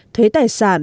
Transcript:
thuế tài sản